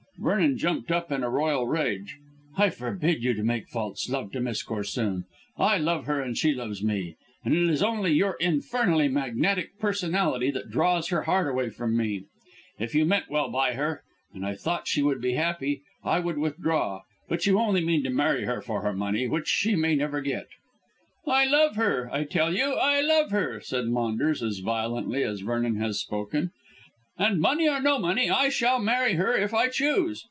Vernon jumped up in a royal rage. "I forbid you to make false love to Miss Corsoon. I love her and she loves me, and it is only your infernally magnetic personality that draws her heart away from me. If you meant well by her, and I thought she would be happy, I would withdraw; but you only mean to marry her for her money, which she may never get." "I love her, I tell you; I love her," said Maunders as violently as Vernon had spoken, "and money or no money I shall marry her if I choose.